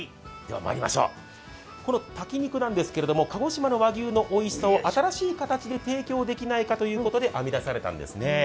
この炊き肉なんですが鹿児島の和牛のおいしさを新しい形で提供できないかということで編み出されたんですね。